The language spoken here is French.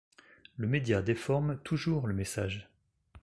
Le média déforme toujours le message.